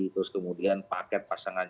terus kemudian paket pasangan